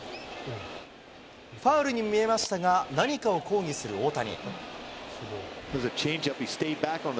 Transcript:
ファウルに見えましたが、何かを抗議する大谷。